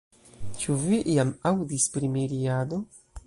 Ĉu vi iam aŭdis pri miriado?